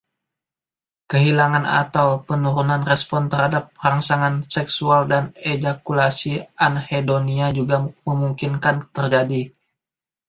Kehilangan atau penurunan respons terhadap rangsangan seksual dan ejakulasi anhedonia juga memungkinkan terjadi.